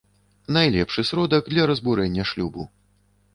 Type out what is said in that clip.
Найлепшы сродак для разбурэння шлюбу.